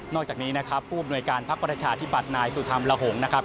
นอกจากนี้ครับปภาคประชาธิบัตินายสุธรรมลหงค์นะครับ